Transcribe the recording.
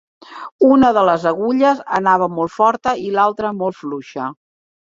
Una de les agulles anava molt forta i l'altra molt fluixa